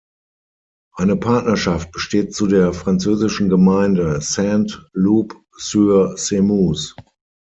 Eine Partnerschaft besteht zu der französischen Gemeinde Saint-Loup-sur-Semouse.